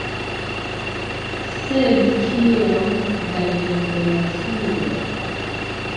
Sed kiom da generacioj?